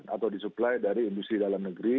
atau disuplai dari industri dalam negeri